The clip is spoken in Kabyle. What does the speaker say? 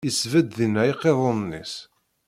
Isbedd dinna iqiḍunen-is.